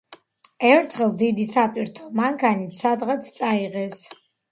ერთხელ დიდი სატვირთო მანქანით სადღაც წაიღეს.